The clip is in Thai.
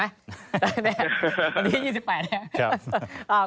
ไหนวันนี้๒๘เนี่ย